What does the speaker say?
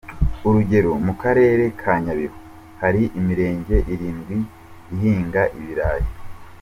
Urugero mu Karere ka Nyabihu hari imirenge irindwi ihinga ibirayi.